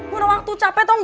gue udah waktu capek dong